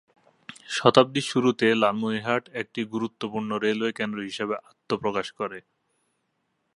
শতাব্দীর শুরুতে লালমনিরহাট একটি গুরুত্বপূর্ণ রেলওয়ে কেন্দ্র হিসাবে আত্মপ্রকাশ করে।